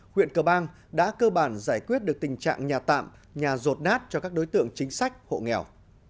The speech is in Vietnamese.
huyện cờ bang đã cơ bản giải quyết được tình trạng nhà tạm nhà rột nát cho các đối tượng chính sách hộ nghèo